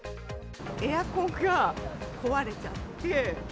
エアコンが壊れちゃって。